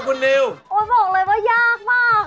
ผมบอกเลยว่ายากมาก